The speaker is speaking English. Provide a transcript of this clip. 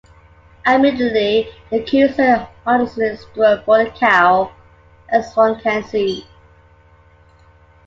Admittedly, the accuser honestly strove for the cow, as one can see.